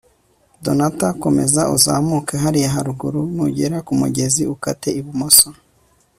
donata komeza uzamuke hariya haruguru, nugera ku mugezi, ukate ibumoso